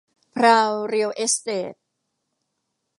พราว เรียล เอสเตท